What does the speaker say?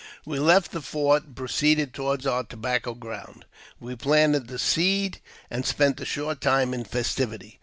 WE left the fort, and proceeded toward our tobacco ground. We planted the seed, and spent a short time in festivity.